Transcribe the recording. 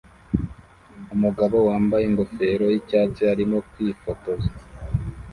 Umugabo wambaye ingofero yicyatsi arimo kwifotoza